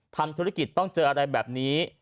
ทำธุรกิจต้องเจออะไรแบบนี้